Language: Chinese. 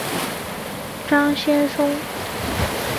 张先松。